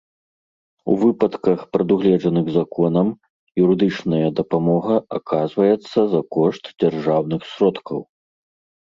У выпадках, прадугледжаных законам, юрыдычная дапамога аказваецца за кошт дзяржаўных сродкаў.